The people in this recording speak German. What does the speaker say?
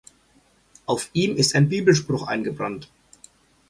Auf ihm ist ein Bibelspruch eingebrannt.